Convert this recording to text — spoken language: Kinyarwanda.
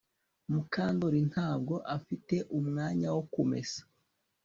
Mukandoli ntabwo afite umwanya wo kumesa